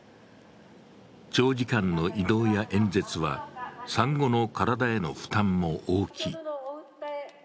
長時間の移動や演説は産後の体への負担も大きい。